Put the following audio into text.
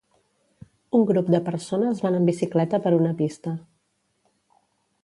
Un grup de persones van en bicicleta per una pista.